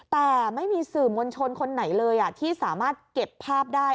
แต่ไม่มีสื่อมวลชนคนไหนเลยที่สามารถเก็บภาพได้